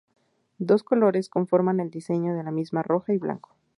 Dos colores conforman el diseño de la misma, rojo y blanco.